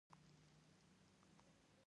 وزه مې خپلې ښکرې کاروي.